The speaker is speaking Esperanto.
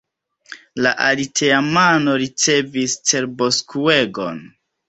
La aliteamano ricevis cerboskuegon.